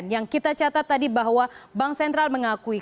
yang kita catat tadi bahwa bank sentral mengakui